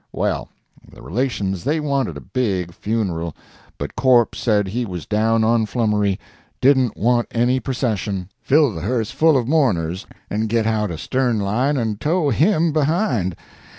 "Well, the relations they wanted a big funeral, but corpse said he was down on flummery didn't want any procession fill the hearse full of mourners, and get out a stern line and tow him behind.